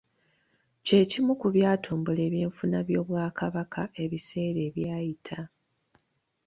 Kye kimu ku byatumbula ebyenfuna by’Obwakabaka ebiseera ebyayita.